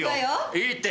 いいって！